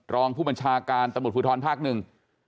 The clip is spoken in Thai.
รองผู้บัญชาการตำรวจภูทรภาคหนึ่ง